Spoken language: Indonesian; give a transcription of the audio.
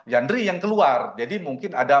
yandri yang keluar jadi mungkin ada